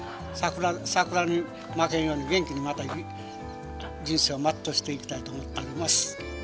桜に負けんように、元気にまた人生を全うしていきたいと思っております。